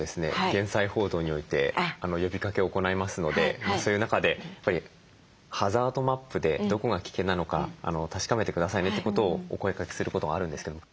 減災報道において呼びかけを行いますのでそういう中で「ハザードマップでどこが危険なのか確かめて下さいね」ってことをお声かけすることがあるんですけども。